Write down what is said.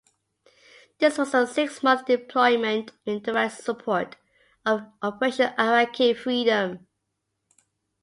This was a six-month deployment in direct support of Operation Iraqi Freedom.